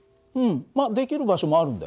できる場所もあるんだよ。